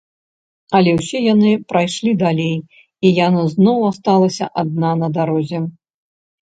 Але ўсе яны прайшлі далей, і яна зноў асталася адна на дарозе.